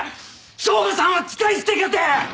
省吾さんは使い捨てかて！